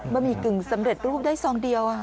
หมี่กึ่งสำเร็จรูปได้ซองเดียว